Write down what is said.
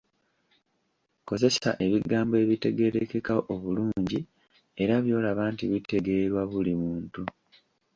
Kozesa ebigambo ebitegeerekeka obulungi era by'olaba nti bitegeerwa buli muntu.